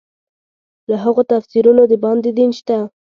له هغو تفسیرونو د باندې دین نشته.